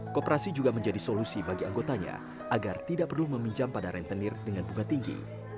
kooperasi juga menjadi solusi bagi anggotanya agar tidak perlu meminjam pada rentenir dengan bunga tinggi